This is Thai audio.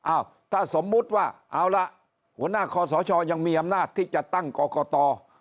ถ้าสมมุติว่าเอาล่ะหัวหน้าคอสชยังมีอำนาจที่จะตั้งกรกต